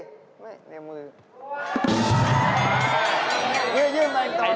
อย่ายืดใหม่ตัว